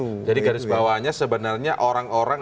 oke jadi garis bawahnya sebenarnya orang orang